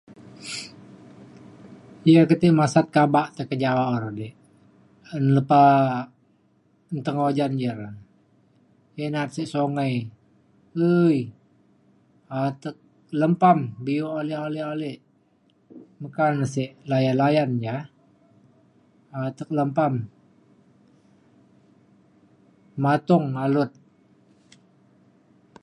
ya ke tai masat kaba tai ke jawang re di. un lepa nta ujan ja re ke na’at sek sungai dui atek lempam bio ale ale ale meka na sek layan ja atek lempam. matung alut